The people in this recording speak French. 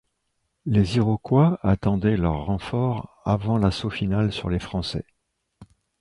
Les Iroquois attendaient leurs renforts avant l'assaut final sur les Français.